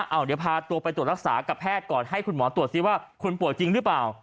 เอาเดี๋ยวพาตัวไปตรวจรักษากับแพทย์ก่อนให้คุณหมอตรวจซิว่าคุณป่วยจริงหรือเปล่า